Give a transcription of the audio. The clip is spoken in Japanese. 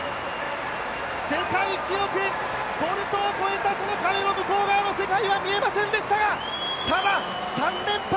世界記録、ボルトを超えたその壁の先の世界は見えませんでしたが、ただ、３連覇！